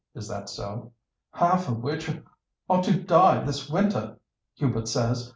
Is that so?" "Half of which are to die this winter, Hubert says.